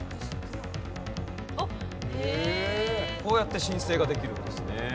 こうやって申請ができるんですね。